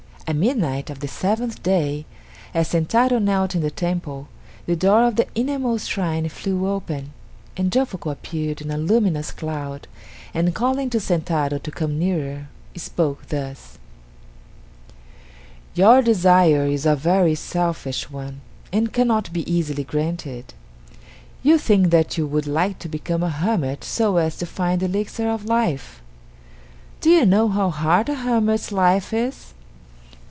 At midnight of the seventh day, as Sentaro knelt in the temple, the door of the innermost shrine flew open, and Jofuku appeared in a luminous cloud, and calling to Sentaro to come nearer, spoke thus: "Your desire is a very selfish one and cannot be easily granted. You think that you would like to become a hermit so as to find the Elixir of Life. Do you know how hard a hermit's life is?